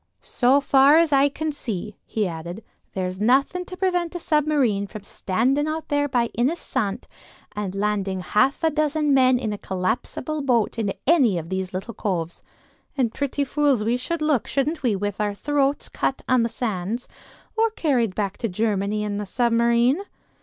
"So far as I can see," he added, "there's nothing to prevent a submarine from standing out there by Ynys Sant and landing half a dozen men in a collapsible boat in any of these little coves. And pretty fools we should look, shouldn't we, with our throats cut on the sands; or carried back to Germany in the submarine?"